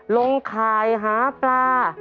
ลงขายหาร์ปลา